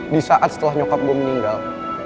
di saat setelah nyokap gue meninggal